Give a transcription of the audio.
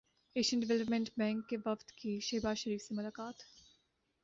Asian development bank کے وفد کی شہباز شریف سے ملاقات